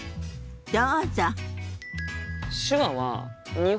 どうぞ。